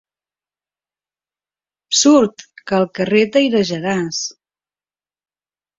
Surt, que al carrer t'airejaràs.